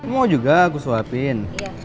mau juga aku suapin